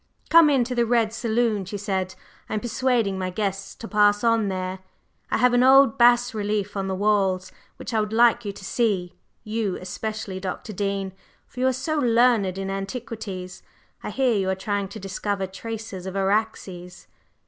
"Come into the Red Saloon," she said. "I am persuading my guests to pass on there. I have an old bas relief on the walls which I would like you to see, you, especially, Dr. Dean! for you are so learned in antiquities. I hear you are trying to discover traces of Araxes?"